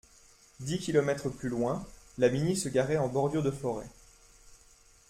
Dix kilomètres plus loin, la Mini se garait en bordure de forêt.